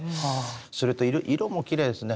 それと色もきれいですね